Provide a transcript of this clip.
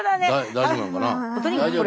大丈夫なのかな。